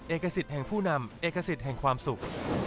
เอกสิทธิ์แห่งผู้นำเอกสิทธิ์แห่งความสุข